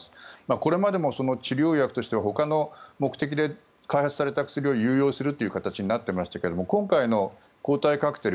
これまでも治療薬としてはほかの目的で開発された薬を流用するという形になっていましたが今回の抗体カクテル